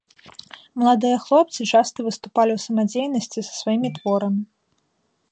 Маладыя хлопцы часта выступалі ў самадзейнасці са сваімі творамі.